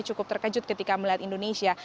cukup terkejut ketika melihat indonesia